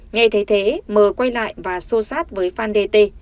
ngay thế thế m quay lại và sô sát với phan dt